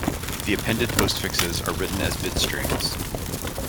The appended postfixes are written as bit strings.